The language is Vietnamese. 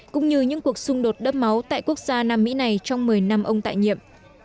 cũng như những cuộc xung đột đấp máu tại quốc gia nam mỹ này trong một mươi năm ông tại nhiệm